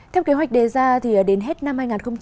theo kế hoạch đề ra đến hết năm hai nghìn hai mươi